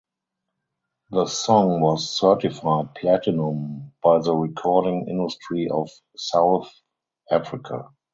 The song was certified platinum by the Recording Industry of South Africa.